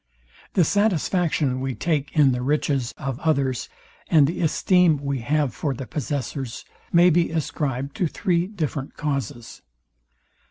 The satisfaction we take in the riches of others, and the esteem we have for the possessors may be ascribed to three different causes.